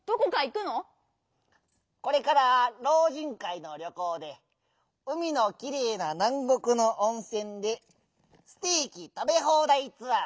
これからろう人かいのりょこうで「うみのきれいななんごくのおんせんでステーキたべほうだいツアー」じゃ！